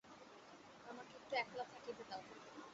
আমাকে একটু একলা থাকিতে দাও।